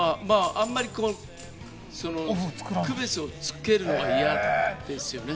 あまり区別をつけるのは嫌ですよね。